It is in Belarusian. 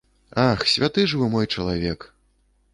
Ах, святы ж вы мой чалавек!